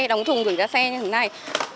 đóng thùng gửi ra xe như thế này